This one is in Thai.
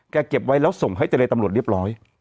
เก็บไว้แล้วส่งให้เจรตำรวจเรียบร้อย